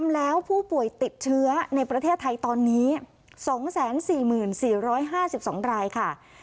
แล้วผู้ป่วยติดเชื้อในประเทศไทยตอนนี้สองแสนสี่หมื่นสี่ร้อยห้าสิบสองรายค่ะ